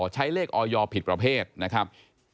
ใช้เลขออยผิดประเภทนะครับ